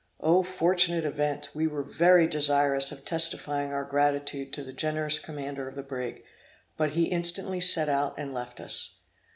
O fortunate event! We were very desirous of testifying our gratitude to the generous commander of the brig, but he instantly set out and left us.